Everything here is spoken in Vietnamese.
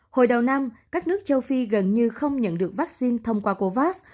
hồi đầu năm các nước châu phi gần như không nhận được vaccine thông qua covax